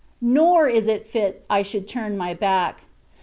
Nor is it fit I should turn my back.